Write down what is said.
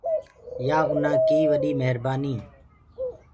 يآ اُنآ ڪي وڏي مهرنآنيٚ۔